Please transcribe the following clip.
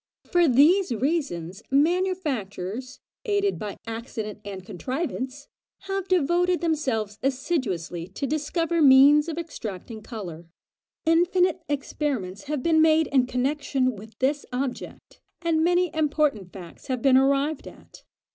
For these reasons manufacturers, aided by accident and contrivance, have devoted themselves assiduously to discover means of extracting colour: infinite experiments have been made in connexion with this object, and many important facts have been arrived at.